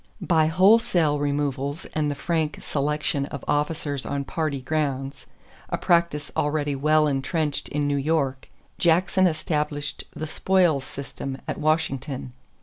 By wholesale removals and the frank selection of officers on party grounds a practice already well intrenched in New York Jackson established the "spoils system" at Washington.